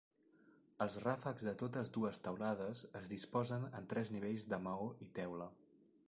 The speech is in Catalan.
Els ràfecs de totes dues teulades es disposen en tres nivells de maó i teula.